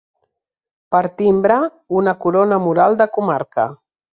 Per timbre, una corona mural de comarca.